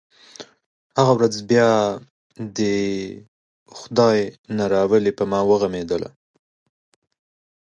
هغه ورځ بیا دې یې خدای نه راولي پر ما وغمېده.